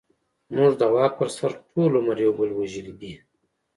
موږ د واک پر سر ټول عمر يو بل وژلې دي.